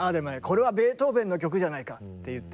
これはベートーベンの曲じゃないかって言って。